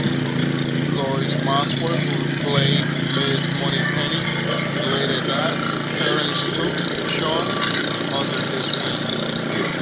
Lois Maxwell, who played Miss Moneypenny, related that Terence took Sean under his wing.